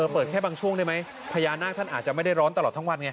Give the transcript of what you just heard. เปิดแค่บางช่วงได้ไหมพญานาคท่านอาจจะไม่ได้ร้อนตลอดทั้งวันไง